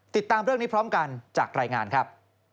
ติดตามเรื่องนี้พร้อมกันจากรายงานครับ